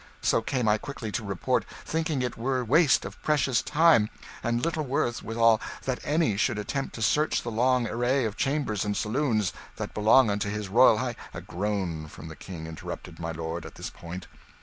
So came I quickly to report, thinking it were waste of precious time, and little worth withal, that any should attempt to search the long array of chambers and saloons that belong unto his royal high " A groan from the King interrupted the lord at this point.